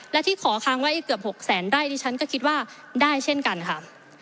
และที่ขอค้างไว้เกือบ๖แสนไร่ดิฉันก็คิดว่าได้เช่นกันค่ะ